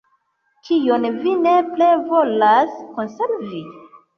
Kion vi nepre volas konservi?